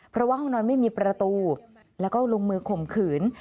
เพราะว่าห้องนอนไม่มีประตูแล้วก็ลงมือข่มขืน